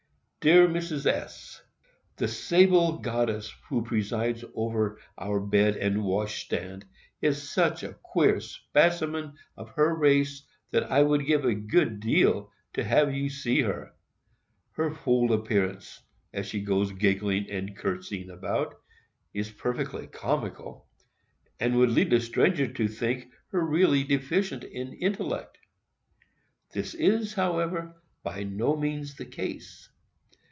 DEAR MRS. S:—The sable goddess who presides over our bed and wash stand is such a queer specimen of her race, that I would give a good deal to have you see her. Her whole appearance, as she goes giggling and curtseying about, is perfectly comical, and would lead a stranger to think her really deficient in intellect. This is, however, by no means the case.